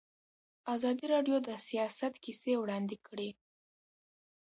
ازادي راډیو د سیاست کیسې وړاندې کړي.